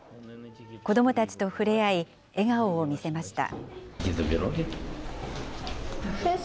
子どもたちと触れ合い、笑顔を見せました。